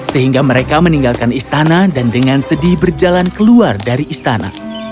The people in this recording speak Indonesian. sehingga mereka meninggalkan istana dan dengan sedih berjalan keluar dari istana